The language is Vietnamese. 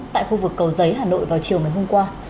tại khu vực cầu giấy hà nội vào chiều ngày hôm qua